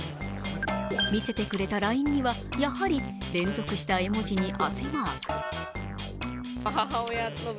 見せてくれたＬＩＮＥには、やはり連続した絵文字に汗マーク。